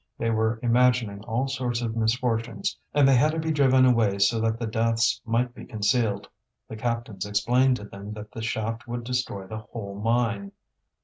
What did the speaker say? They were imagining all sorts of misfortunes, and they had to be driven away so that the deaths might be concealed; the captains explained to them that the shaft would destroy the whole mine.